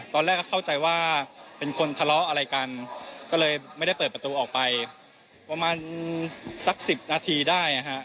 ตอนแรกก็เข้าใจว่าเป็นคนทะเลาะอะไรกันก็เลยไม่ได้เปิดประตูออกไปประมาณสัก๑๐นาทีได้นะฮะ